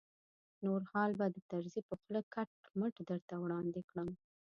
نور حال به د طرزي په خوله کټ مټ درته وړاندې کړم.